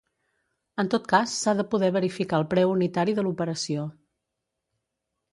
En tot cas s'ha de poder verificar el preu unitari de l'operació.